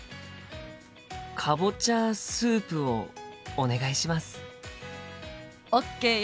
かぼちゃスープをお願いします。ＯＫよ。